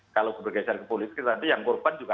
kalau bergeser ke politik nanti yang korban juga